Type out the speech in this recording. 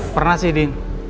pernah sih din